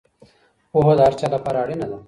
پوهه د هر چا لپاره اړینه ده.